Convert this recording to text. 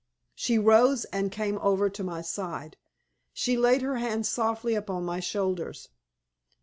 She rose and came over to my side. She laid her hands softly upon my shoulders.